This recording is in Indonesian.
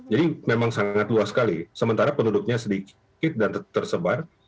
jadi memang sangat luas sekali sementara penduduknya sedikit dan tersebar